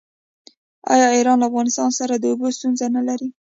آیا ایران له افغانستان سره د اوبو ستونزه نلري؟